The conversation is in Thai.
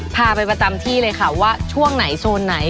พาไปประจำที่เลยค่ะว่าช่วงไหนโซนไหน